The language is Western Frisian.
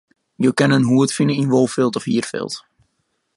Jo kinne in hoed fine yn wolfilt of hierfilt.